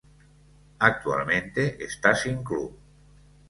Actualmente esta sin club.